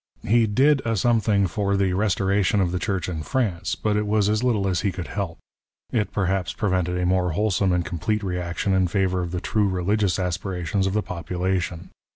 He did a something for the restoration of the Church in France, but it v^as as little as he could help. It, perhaps, prevented a more wholesome and complete reaction in favour of the true rehgious aspirations of the population.